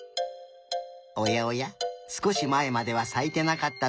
おやおやすこしまえまではさいてなかったのに。